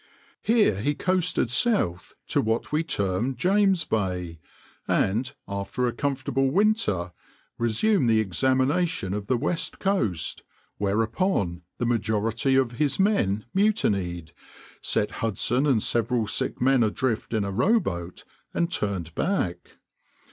Here he coasted south to what we term James Bay, and, after a comfortable winter, resumed his examination of the west coast, whereupon the majority of his men mutinied, set Hudson and several sick men adrift in a rowboat, and turned back.